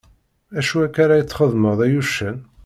Acu akka ara txeddmeḍ ay uccen?